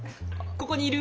ここにいる！